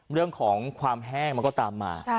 เรื่องของความแห้งมันก็ตามมา